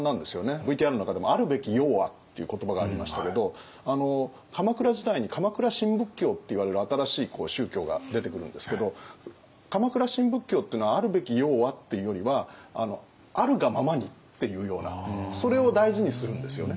ＶＴＲの中でも「あるべきようは」っていう言葉がありましたけど鎌倉時代に鎌倉新仏教っていわれる新しい宗教が出てくるんですけど鎌倉新仏教っていうのは「あるべきようは」っていうよりは「あるがままに」っていうようなそれを大事にするんですよね。